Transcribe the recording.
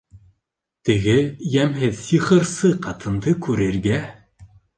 Теге йәмһеҙ сихырсы ҡатынды күрергә.